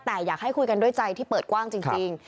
แต่อยากให้คุยกันด้วยใจที่เปิดกว้างจริง